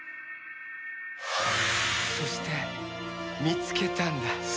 そして見つけたんだ！